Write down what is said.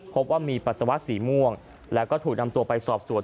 พบว่ามีปัสสาวะสีม่วงแล้วก็ถูกนำตัวไปสอบสวน